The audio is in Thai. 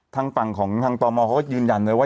ทางต่างของทางต่อมอร์เขาก็ยืนยันเลยว่า